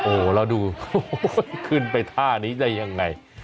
โอ้แล้วดูโอ๊ะขึ้นไปท่านี้จะยังไง